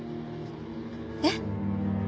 えっ？